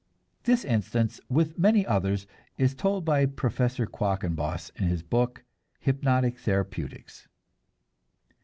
This instance with many others is told by Professor Quackenbos in his book, "Hypnotic Therapeutics."